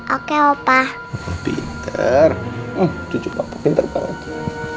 oke opa pinter cucuk papa pinter banget